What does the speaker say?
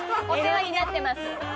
お世話になってますよ